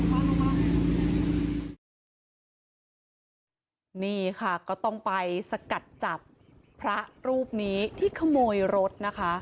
นี่ค่ะก็ต้องไปสกัดจับพระรูปนี้ที่ขโมยรถนะคะ